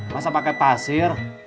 masa pakai pasir